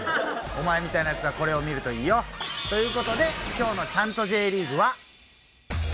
お前みたいなヤツはこれを見るといいよ。という事で今日の『チャント！！Ｊリーグ』は。